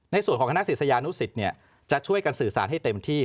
ในส่วนของคณะศิษยานุสิตจะช่วยกันสื่อสารให้เต็มที่